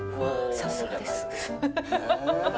さすがです。